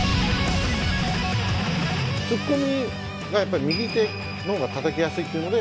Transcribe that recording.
ツッコミがやっぱり右手の方がたたきやすいっていうので。